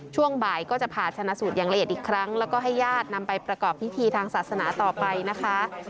ช่วงบ่ายก็จะผ่าชนะสูตรอย่างละเอียดอีกครั้งแล้วก็ให้ญาตินำไปประกอบพิธีทางศาสนาต่อไปนะคะ